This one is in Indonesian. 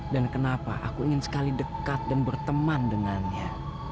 dan kenapa aku ingin sekali dekat dan berteman dengannya